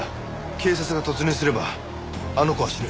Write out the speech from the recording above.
警察が突入すればあの子は死ぬ。